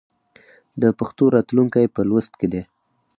د پښتو راتلونکی په لوست کې دی.